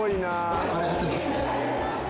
疲れ果ててますね。